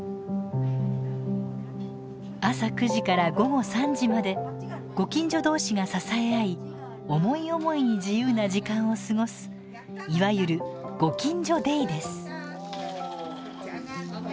朝９時から午後３時までご近所同士が支え合い思い思いに自由な時間を過ごすいわゆるご近所デイです。